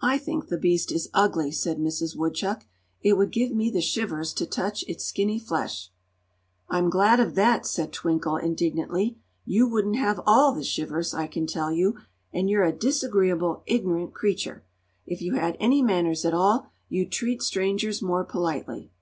"I think the beast is ugly," said Mrs. Woodchuck. "It would give me the shivers to touch its skinny flesh." "I'm glad of that," said Twinkle, indignantly. "You wouldn't have all the shivers, I can tell you! And you're a disagreeable, ign'rant creature! If you had any manners at all, you'd treat strangers more politely."